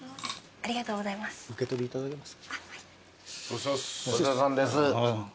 ありがとうございます。